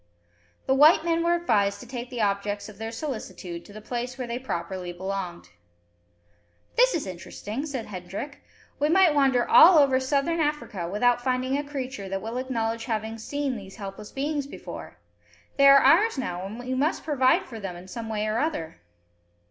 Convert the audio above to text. The white men were advised to take the objects of their solicitude to the place where they properly belonged. "This is interesting," said Hendrik. "We might wander over all Southern Africa without finding a creature that will acknowledge having seen these helpless beings before. They are ours now, and we must provide for them in some way or other."